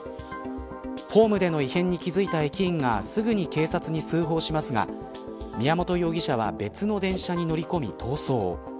ホームでの異変に気付いた駅員がすぐに警察に通報しますが宮本容疑者は別の電車に乗り込み逃走。